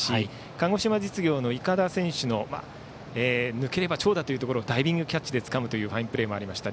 鹿児島実業の筏選手の抜ければ長打というところをダイビングキャッチというファインプレーもありました。